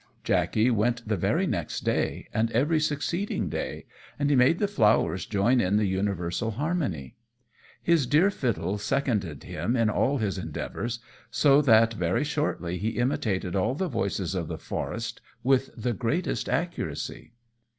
Jackey went the very next day, and every succeeding day, and he made the flowers join in the universal harmony. His dear fiddle seconded him in all his endeavours, so that very shortly he imitated all the voices of the forest with the greatest accuracy.